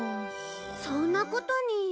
そんなことに。